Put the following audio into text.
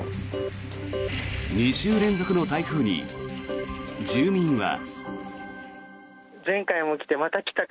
２週連続の台風に住民は。